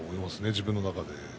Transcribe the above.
自分の中で。